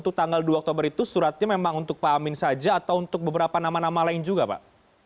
itu tanggal dua oktober itu suratnya memang untuk pak amin saja atau untuk beberapa nama nama lain juga pak